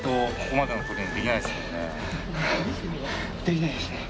できないですね。